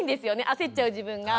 焦っちゃう自分が。